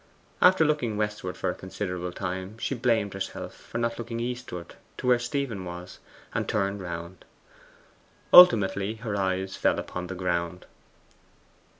After looking westward for a considerable time, she blamed herself for not looking eastward to where Stephen was, and turned round. Ultimately her eyes fell upon the ground.